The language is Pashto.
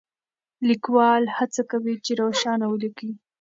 ليکوال هڅه کوي چې روښانه وليکي.